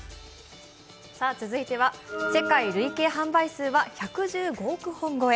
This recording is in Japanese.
続いては世界累計販売数は１２５億本超え。